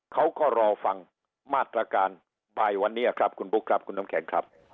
เขาก็รอฟังมาตรการบ่ายวันนี้ครับคุณบุ๊คครับคุณน้ำแข็งครับ